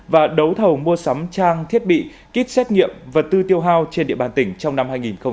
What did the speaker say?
và đấu thầu mua sắm trang thiết bị kit xét nghiệm vật tư tiêu hao trên địa bàn tỉnh trong năm hai nghìn hai mươi